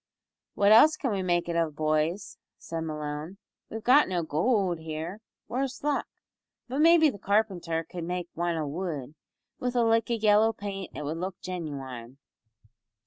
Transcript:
"What else can we make it of, boys?" said Malone, "we've got no goold here worse luck! but maybe the carpenter cud make wan o' wood. With a lick o' yellow paint it would look genuine."